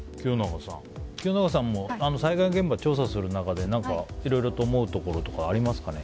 清永さんも災害現場を調査する中でいろいろと思うところってありますか？